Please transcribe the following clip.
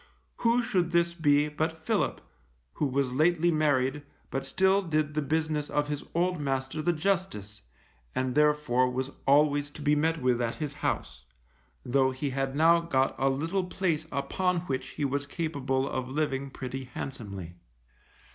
Who should this be but Philip, who was lately married, but still did the business of his old master the Justice, and therefore was always to be met with at his house, though he had now got a little place upon which he was capable of living pretty handsomely.